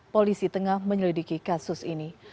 polisi tengah menyelidiki kasus ini